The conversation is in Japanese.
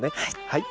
はい。